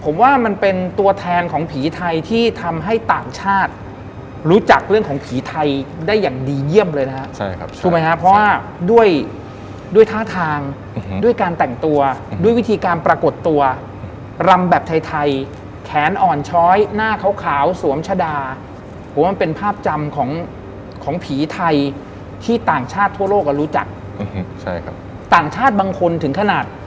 มันเป็นประตูเหล็กครับพี่แจ๊ค